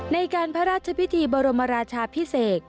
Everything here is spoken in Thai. ในการพระราชพิธีบรมราชาพิเศษ